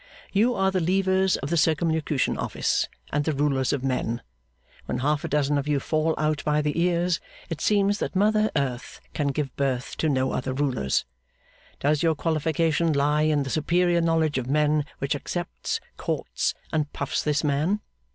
You are the levers of the Circumlocution Office, and the rulers of men. When half a dozen of you fall out by the ears, it seems that mother earth can give birth to no other rulers. Does your qualification lie in the superior knowledge of men which accepts, courts, and puffs this man?